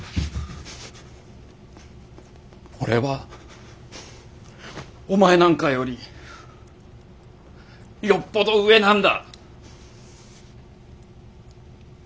俺はお前なんかよりよっぽど上なんだ。